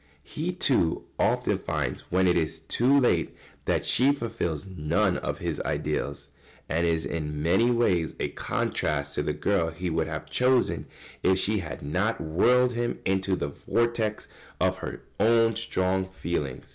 ] He, too, often finds when it is too late that she fulfils none of his ideals, and is in many ways a contrast to the girl he would have chosen if she had not whirled him into the vortex of her own strong feeling.